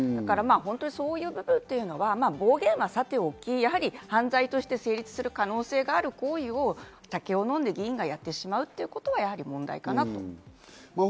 そういう部分は暴言はさておき、犯罪として成立する可能性がある行為をお酒を飲んで議員がやってしまうということは問題かなと思います。